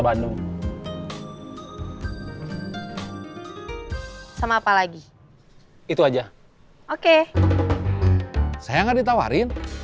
kamu sempena telepon nanyain soal uang